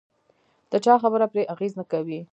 د چا خبره پرې اغېز نه کوي.